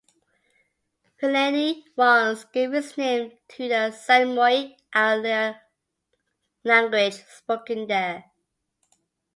Pileni once gave its name to the Samoic-Outlier language spoken there.